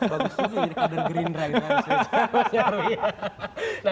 bagus juga jadi kader gerindra